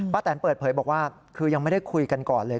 แตนเปิดเผยบอกว่าคือยังไม่ได้คุยกันก่อนเลย